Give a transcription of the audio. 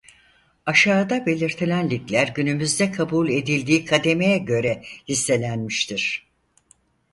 Aşağıda belirtilen ligler günümüzde kabul edildiği kademeye göre listelenmiştir.